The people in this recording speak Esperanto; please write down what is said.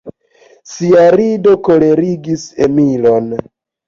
Ŝia rido kolerigis Emilon.